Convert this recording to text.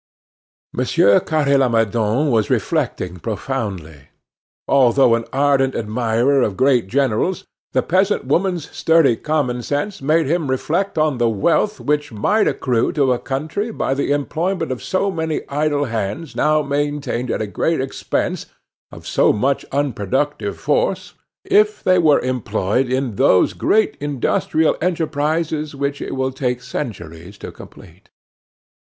Monsieur Carre Lamadon was reflecting profoundly. Although an ardent admirer of great generals, the peasant woman's sturdy common sense made him reflect on the wealth which might accrue to a country by the employment of so many idle hands now maintained at a great expense, of so much unproductive force, if they were employed in those great industrial enterprises which it will take centuries to complete.